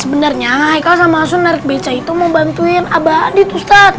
sebenarnya aikal sama asunda narik beca itu mau bantuin aba adit ustadz